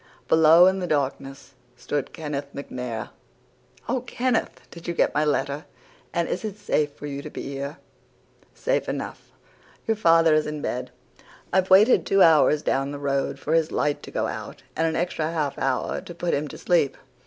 Below in the darkness stood Kenneth MacNair. "'Oh, Kenneth, did you get my letter? And is it safe for you to be here?' "'Safe enough. Your father is in bed. I've waited two hours down the road for his light to go out, and an extra half hour to put him to sleep.